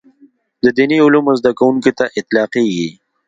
د دیني علومو زده کوونکي ته اطلاقېږي.